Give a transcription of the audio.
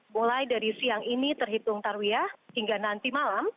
mulai dari siang ini terhitung tarwiyah hingga nanti malam